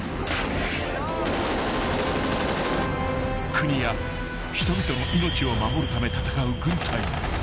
［国や人々の命を守るため戦う］